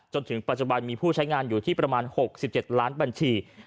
จนถึงปัจจุบันมีผู้ใช้งานอยู่ที่ประมาณ๖๗ล้านบัญชี